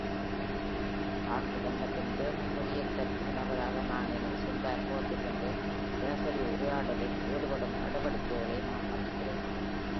ஆங்கிலம் மற்றும் ஜெர்மன் மொழியைக் கற்கும் நபராக நான் எனது சொந்த அனுபவத்திலிருந்து, தினசரி உரையாடலில் ஈடுபடும் நடவடிக்கைகளை நான் மதிக்கிறேன்.